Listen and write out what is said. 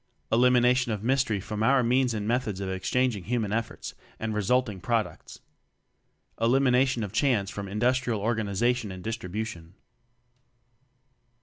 Elimination of Mystery from our means and methods of exchanging human efforts and resulting products. Elimination of Chance from in dustrial organization and distribution.